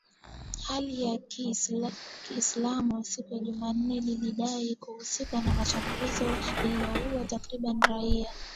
Hali ya kiislamu siku ya Jumanne lilidai kuhusika na shambulizi lililoua takribani raia